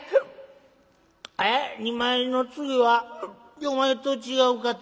『２枚の次は４枚と違うか』て？